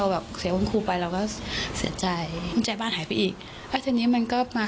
พวกมันก็ทำให้แบบเรารู้สึกว่าเราไม่ปลอดภัย